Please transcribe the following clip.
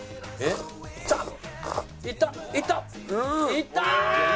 いったー！